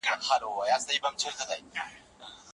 څنګه ملي بودیجه پر نورو هیوادونو اغیز کوي؟